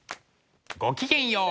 ごきげんよう！